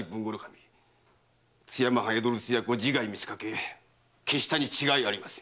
津山藩・江戸留守居役を自害に見せかけ消したに違いありません。